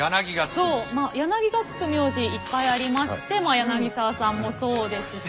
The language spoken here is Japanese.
そうまあ柳がつく名字いっぱいありまして柳沢さんもそうですし。